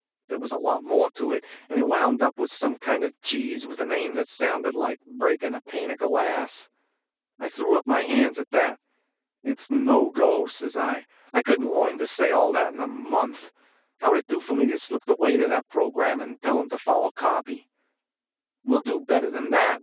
There was a lot more to it, and it wound up with some kind of cheese with a name that sounded like breakin' a pane of glass. I threw up my hands at that. "It's no go," says I. "I couldn't learn to say all that in a month. How would it do for me to slip the waiter that program and tell him to follow copy?" "We'll do better than that?"